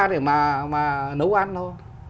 để mà nấu ăn thôi